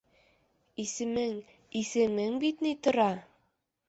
Йсемең, исемең бит ни тора!